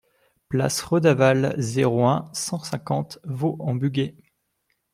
Place Redavalle, zéro un, cent cinquante Vaux-en-Bugey